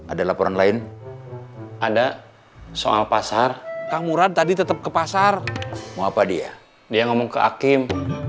ada laporan lain ada soal pasar kang murad tadi tetap ke pasar mau apa dia dia ngomong ke hakim